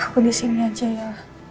aku di sini aja ya